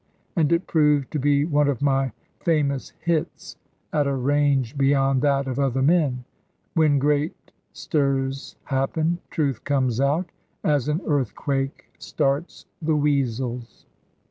And it proved to be one of my famous hits, at a range beyond that of other men. When great stirs happen, truth comes out; as an earthquake starts the weasels.